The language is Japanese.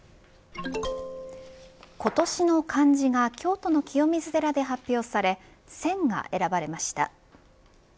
今年の漢字が京都の清水寺で発表され戦が選ばれました。